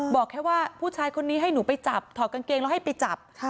บอกแค่ว่าผู้ชายคนนี้ให้หนูไปจับถอดกางเกงแล้วให้ไปจับ